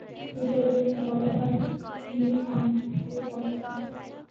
یہ سب ادھورے مطالعے اور نیم خوانگی کے مظاہر ہیں۔